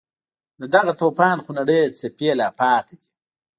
د دغه توپان خونړۍ څپې لا پاتې دي.